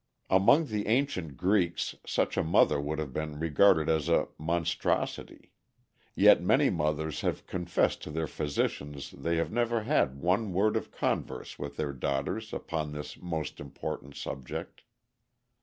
Among the ancient Greeks such a mother would have been regarded as a monstrosity; yet many mothers have confessed to their physicians they have never had one word of converse with their daughters upon this most important subject.